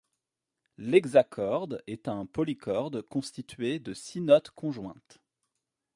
L’hexacorde est un polycorde constitué de six notes conjointes.